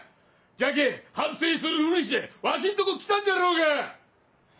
じゃけぇ反省しとるふりしてわしんとこ来たんじゃろうが！